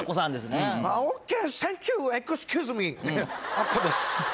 アッコです。